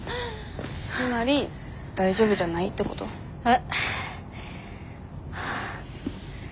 つまり大丈夫じゃないってこと？ん。